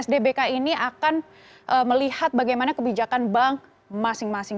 dbk ini akan melihat bagaimana kebijakan bank masing masing